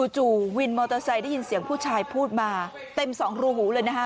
จู่วินมอเตอร์ไซค์ได้ยินเสียงผู้ชายพูดมาเต็มสองรูหูเลยนะฮะ